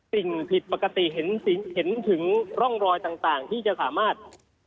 สิ่งผิดปกติเห็นถึงร่องรอยต่างที่จะสามารถ